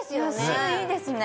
酢いいですね